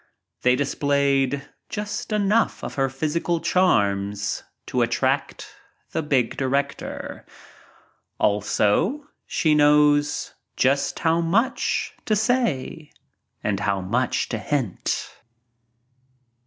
now, ana a name. They displayed just enough of her physical charms to attract the Big Director. Also she knows just how much to say — and how much to hint.